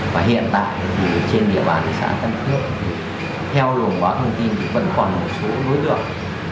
và hiện tại thì trên địa bàn xã tân phước thì theo luồng báo thông tin thì vẫn còn một số đối tượng